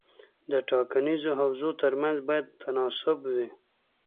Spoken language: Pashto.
د ټاکنیزو حوزو ترمنځ باید تناسب وي.